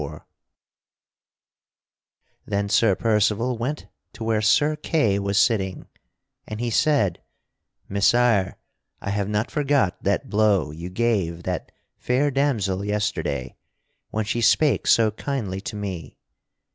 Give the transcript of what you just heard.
[Sidenote: Sir Percival threatens Sir Kay] Then Sir Percival went to where Sir Kay was sitting, and he said: "Messire, I have not forgot that blow you gave that fair damsel yesterday when she spake so kindly to me.